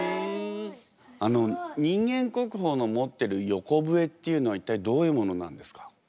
あの人間国宝の持ってる横笛っていうのは一体どういう物なんですか？